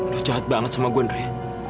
lo jahat banget sama gua andri